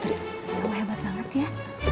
putri lo hebat banget ya